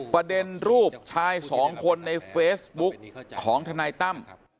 ประเด็นรูปชายสองคนในเฟซบุ๊กของทนายตั้ม